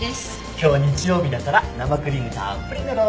今日は日曜日だから生クリームたっぷりのロールケーキ。